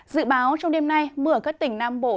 dự báo trong đêm nay mưa ở các tỉnh nam bộ